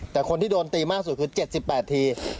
แต่คนที่โดนตีมากสุดคือ๗๘ที